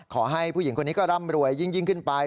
ขอให้ผู้หญิงคนนี้ก็ร่ำรวยยิ่งขึ้นไป